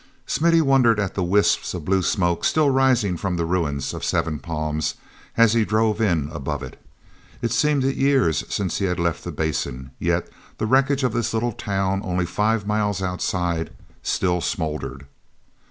Smithy wondered at the wisps of blue smoke still rising from the ruins of Seven Palms as he drove in above it. It seemed years since he had left the Basin, yet the wreckage of this little town, only five miles outside, still smoldered.